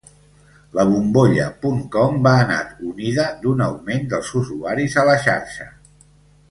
La bombolla puntcom va anar unida d'un augment dels usuaris a la xarxa.